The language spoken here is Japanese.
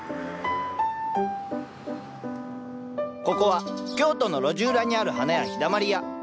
ここは京都の路地裏にある花屋「陽だまり屋」。